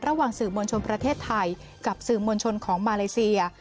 สื่อมวลชนประเทศไทยกับสื่อมวลชนของมาเลเซีย